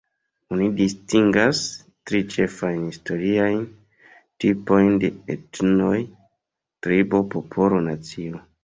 Oni distingas tri ĉefajn historiajn tipojn de etnoj: tribo, popolo, nacio.